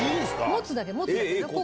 持つだけ持つだけ。